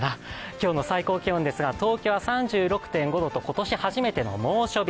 今日の最高気温ですが東京は３６．５度と今年初めての猛暑日。